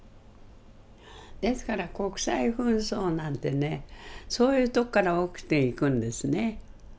ですから国際紛争なんてねそういうとこから起きていくんですね。